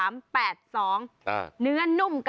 เมนูที่สุดยอด